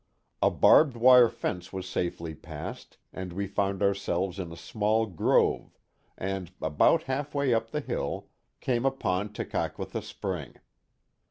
A barbed wire fence was safely passed and we found ourselves in a small grove, and, about half way up the hill, came upon Tekakwitha spring.